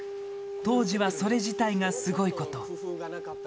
当時はそれ自体がすごいこと。